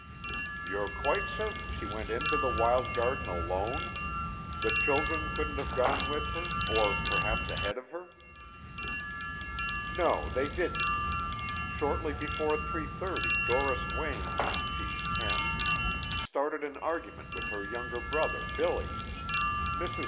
"You're quite certain she went into the wild garden alone? The children couldn't have gone with her, or perhaps ahead of her?" "No, they didn't. Shortly before 3:30 Doris Wayne she's ten started an argument with her younger brother Billy. Mrs.